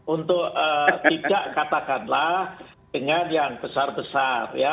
untuk tidak katakanlah dengan yang besar besar ya